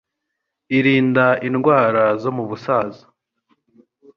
Irinda indwara zo mu busaza